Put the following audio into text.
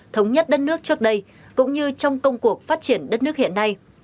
thống nhất đất nước trước đây cũng như trong công cuộc phát triển đất nước hiện nay